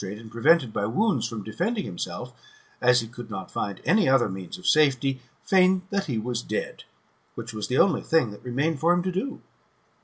But the soldier, being prostmte, and prevented by wounds [from defending himself], as he could not find any other means of safety, feigned that he was dead, which was the only thing that remained for him to do.